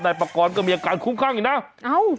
นายปะกรก็มีอาการคุ้มขรั่งอีกนะอ้าว